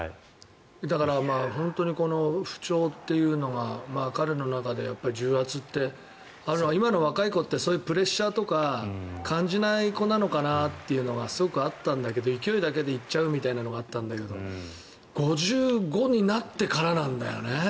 だから、本当に不調というのが彼の中で重圧って今の若い子ってプレッシャーとか感じない子なのかなというのがすごくあったんですけど勢いだけで行っちゃうってのがあったんだけど５５になってからなんだよね。